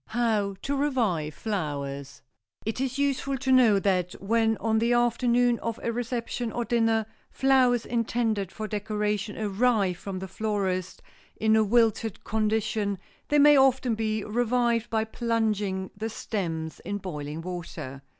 [Sidenote: HOW TO REVIVE FLOWERS] It is useful to know that when on the afternoon of a reception or dinner flowers intended for decoration arrive from the florist in a wilted condition they may often be revived by plunging the stems in boiling water.